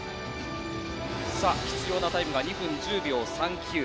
必要なタイムが１０秒３９。